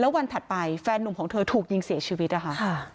วันถัดไปแฟนนุ่มของเธอถูกยิงเสียชีวิตนะคะ